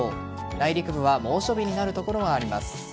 内陸部は猛暑日になる所があります。